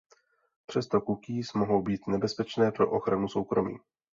Přesto cookies mohou být nebezpečné pro ochranu soukromí.